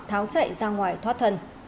tháo chạy ra ngoài thoát